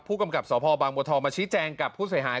และผู้กำกับสภบางบาวทองมาชี้แจ้งวางพูดเสียหาย